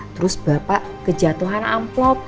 terus bapak kejatuhan amplop